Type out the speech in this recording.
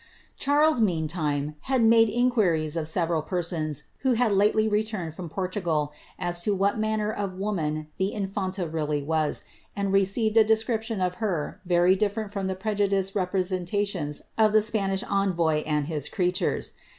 Charles, meantime, had made inquiries of seyeral persons who had lately returned from Portugal, as to what manner of woman the infanta really was, and received a description of her very diflerent from the pre judiced representations of the Spanish envoy and his creatures.